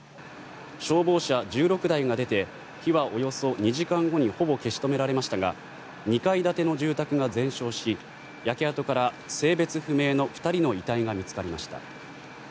消防車１６台が出て火はおよそ２時間後にほぼ消し止められましたが２階建ての住宅が全焼し焼け跡から性別不明の２人の遺体が見つかりました。